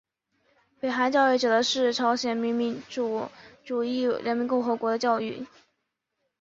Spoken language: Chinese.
北韩教育指的是朝鲜民主主义人民共和国的教育。